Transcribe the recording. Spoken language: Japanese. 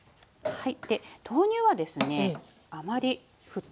はい。